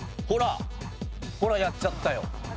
ほらやっちゃったよ。